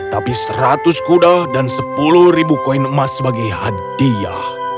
tapi seratus kuda dan sepuluh koin emas sebagai hadiah